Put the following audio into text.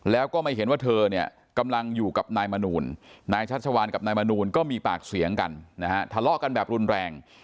แล้วก็ไม่เห็นว่าเธอเนี่ยกำลังอยู่กับนายมนูลนายชัชวานกับนายมนูลก็มีปากเสียงกันนะฮะทะเลาะกันแบบรุนแรง